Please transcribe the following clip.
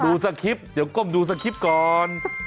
รูสกริปเดี๋ยวกล้มรู้สกริปก่อน